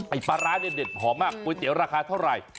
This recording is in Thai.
ปลาร้าเนี่ยเด็ดหอมมากก๋วยเตี๋ยวราคาเท่าไหร่